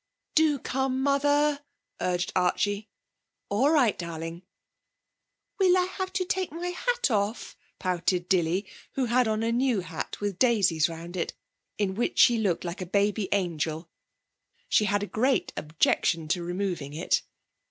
'Do come, Mother!' urged Archie. 'All right, darling.' 'Will I have to take my hat off?' pouted Dilly, who had on a new hat with daisies round it, in which she looked like a baby angel. She had a great objection to removing it.